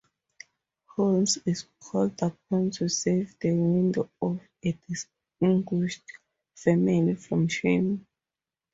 Holmes is called upon to save the widow of a distinguished family from shame.